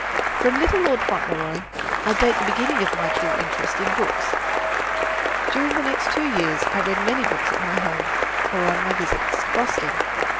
From "Little Lord Fauntleroy" I date the beginning of my true interest in books. During the next two years I read many books at my home and on my visits to Boston.